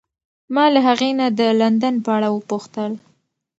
ما له هغې نه د لندن په اړه وپوښتل.